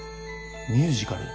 ミュージカル？